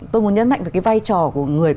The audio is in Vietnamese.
tôi muốn nhấn mạnh về cái vai trò của người